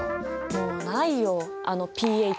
もうないよ。